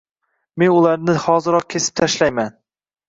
Men ularni hoziroq kesib tashlayman.